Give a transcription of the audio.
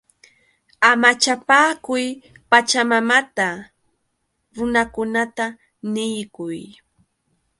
¡Amachapaakuy Pachamamata! Runakunata niykuy.